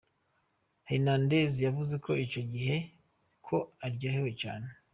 Hernandez yavuze ico gihe ko "aryohewe cane".